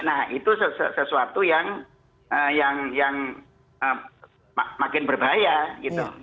nah itu sesuatu yang makin berbahaya gitu